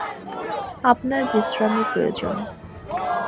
আপনার বিশ্রামের প্রয়োজন।